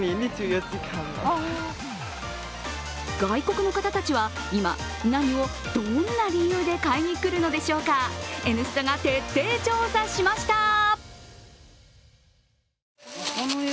外国の方たちは今、何をどんな理由で買いに来るのでしょうか「Ｎスタ」が徹底調査しました。